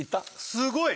すごい！